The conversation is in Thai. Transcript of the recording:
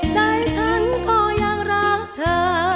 ใจฉันก็ยังรักเธอ